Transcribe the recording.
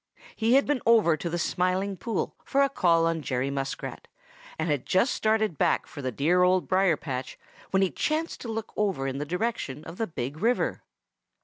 He had been over to the Smiling Pool for a call on Jerry Muskrat and had just started back for the dear Old Briar patch when he chanced to look over in the direction of the Big River.